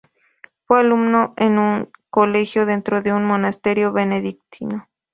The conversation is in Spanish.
Fue alumno en un colegio dentro de un monasterio benedictino.